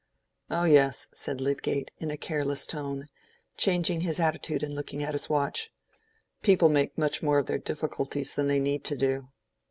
"Oh yes," said Lydgate, in a careless tone, changing his attitude and looking at his watch. "People make much more of their difficulties than they need to do."